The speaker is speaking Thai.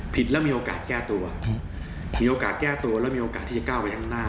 แล้วมีโอกาสแก้ตัวมีโอกาสแก้ตัวแล้วมีโอกาสที่จะก้าวไปข้างหน้า